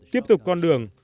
tiếp tục con đường